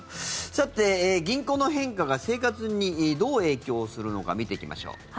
さて、銀行の変化が生活にどう影響するのか見ていきましょう。